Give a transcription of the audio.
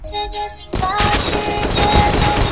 现时该码头有船前往蒲台岛。